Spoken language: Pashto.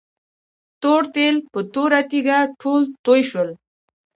تور تیل په توره تيږه ټول توي شول.